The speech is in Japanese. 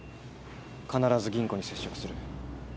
必ず吟子に接触する。